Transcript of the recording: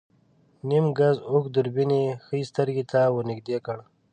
نيم ګز اوږد دوربين يې ښی سترګې ته ور نږدې کړ.